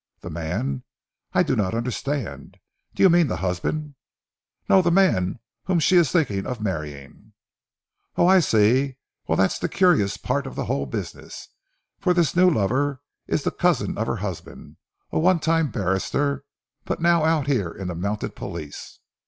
"The man? I do not understand. Do you mean the husband?" "No, the man whom she is thinking of marrying?" "Oh, I see. Well, that's the curious part of the whole business, for this new lover is the cousin of her husband, one time a barrister, but now out here in the Mounted Police.